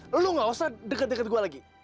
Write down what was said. lu lo gak usah deket deket gue lagi